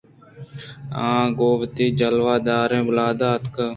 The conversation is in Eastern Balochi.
آ گوں وتی جلوہ داریں بالاد ءَ اتک